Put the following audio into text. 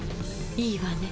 いいわね。